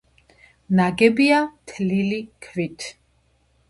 ნაგებია თლილი ქვით.